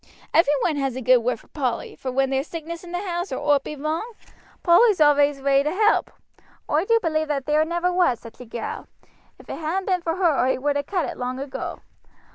Every one has a good word for Polly; for when there's sickness in the house, or owt be wrong, Polly's always ready to help. Oi do believe that there never was such a gal. If it hadn't been for her oi would ha' cut it long ago.